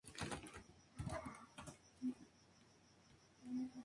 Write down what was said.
Winter convence a Monroe de concluir la película.